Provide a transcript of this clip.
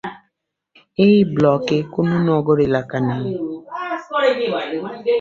এই ব্লকে কোনো নগর এলাকা নেই।